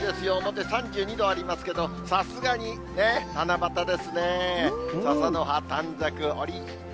表、３２度ありますけど、さすがに、ね、七夕ですね。